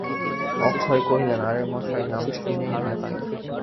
অক্ষয় কহিলেন, আরে মশায়, নাম শুনেই হাসি!